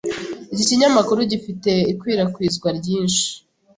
Iki kinyamakuru gifite ikwirakwizwa ryinshi.